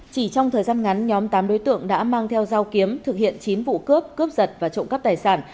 chỉ trong thời gian ngắn nhóm tám đối tượng đã mang theo dao kiếm thực hiện chín vụ cướp cướp giật và trộm cắp tài sản